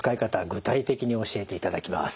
具体的に教えていただきます。